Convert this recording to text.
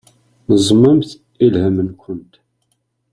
Neẓmemt i lhem-nkent.